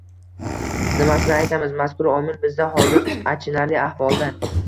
Nimasini aytamiz, mazkur omil bizda hozir achinarli ahvolda